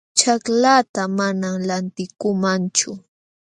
Ćhaklaata manam lantikuumanchu